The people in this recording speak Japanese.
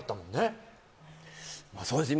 まあそうですね